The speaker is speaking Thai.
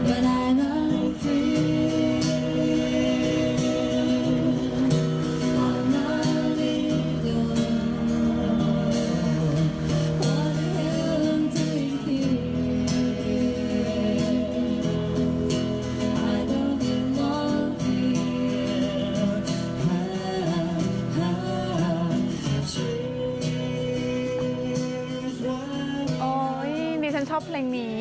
นี่ฉันชอบเพลงนี้